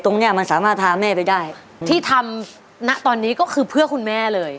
เนี้ยมันสามารถพาแม่ไปได้ที่ทำณตอนนี้ก็คือเพื่อคุณแม่เลย